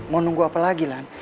mau nunggu apa lagi kan